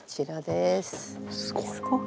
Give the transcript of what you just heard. すごい。